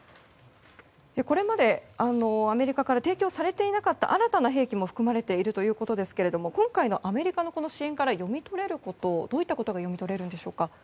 これまでアメリカから提供されていなかった新たな兵器も含まれているということですが今回のアメリカの支援からどういったことが読み取れるんでしょうか。